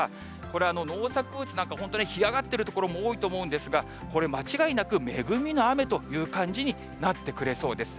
これ、農作物なんか本当に干上がってる所も多いと思うんですが、これ間違いなく恵みの雨という感じになってくれそうです。